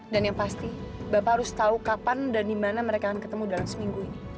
dan yang pasti bapak harus tahu kapan dan di mana mereka akan ketemu dalam seminggu ini